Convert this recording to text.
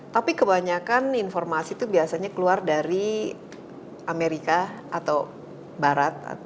tapi kebanyakan informasi itu biasanya keluar dari amerika atau barat